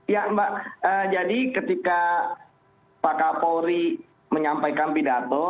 ya mbak jadi ketika pak kapolri menyampaikan pidato